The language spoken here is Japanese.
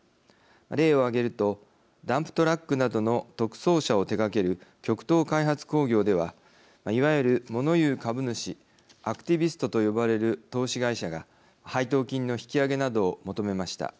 例を挙げるとダンプトラックなどの特装車を手がける極東開発工業ではいわゆる、もの言う株主＝アクティビストと呼ばれる投資会社が配当金の引き上げなどを求めました。